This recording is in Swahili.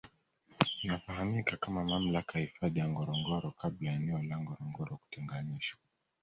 Inafahamika kama mamlaka ya hifadhi ya Ngorongoro kabla ya eneo la Ngorongoro kutenganishwa